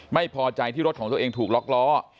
ไม่พอใจที่รถของตัวเองถูกล็อกล้อ